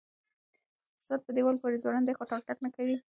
ساعت په دیوال پورې ځوړند دی خو ټک ټک نه کوي.